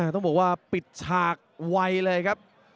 ต้องบอกว่าปิดฉากไวเลยครับ